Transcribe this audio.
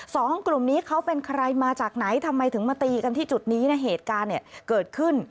สองกลุ่มนี้เขาเป็นใครมาจากไหนทำไมถึงมาตีกันที่จุดนี้นะเหตุการณ์เนี่ยเกิดขึ้น